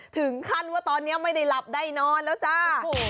ถึงขั้นว่าตอนนี้ไม่ได้หลับได้นอนแล้วจ้า